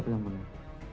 jawab yang mulia